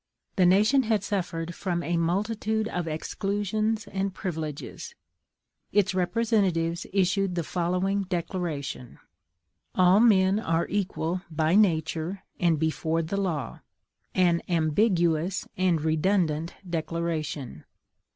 The nation had suffered from a multitude of exclusions and privileges; its representatives issued the following declaration: ALL MEN ARE EQUAL BY NATURE AND BEFORE THE LAW; an ambiguous and redundant declaration.